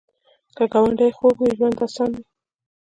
که ګاونډي خوږ وي، ژوند اسان وي